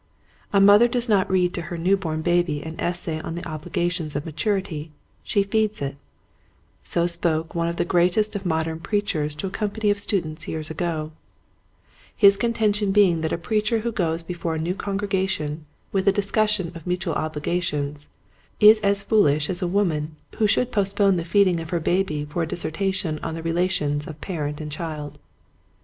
" A mother does not read to her newborn baby an essay on the obligations of ma ternity—she feeds it:" so spoke one of the greatest of modern preachers to a company of students years ago, his con 36 Quiet Hints to Growing Preachers, tention being that a preacher who goes before a new congregation with a discus sion of mutual obligations is as foolish as a woman would be who should postpone the feeding of her baby for a disser tation on the relations of parent and child.